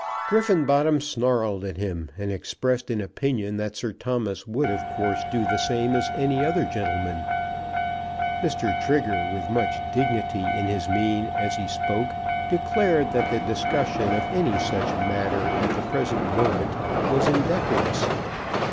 Griffenbottom snarled at him, and expressed an opinion that Sir Thomas would of course do the same as any other gentleman. Mr. Trigger, with much dignity in his mien as he spoke, declared that the discussion of any such matter at the present moment was indecorous.